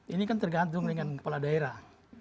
ini kan tergantung dengan kepala daerah